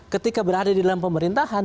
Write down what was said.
ketika berada di dalam pemerintahan